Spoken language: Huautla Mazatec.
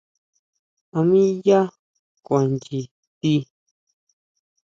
¿A mí yaa kuan nyi ti?